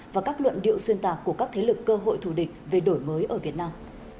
và các luận điệu xuyên tạc của các thế lực cơ hội thù địch về đổi mới ở việt nam